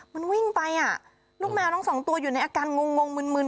มันวิ่งไปลูกแมวต่อไปอยู่ในอัการงงมืน